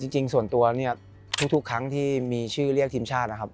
จริงส่วนตัวทุกครั้งที่มีชื่อเรียกทีมชาติ